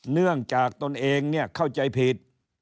เนื่องจากตนเองเข้าใจผิด